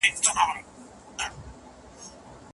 بېځایه لګښتونه ښې پایلي نه لري.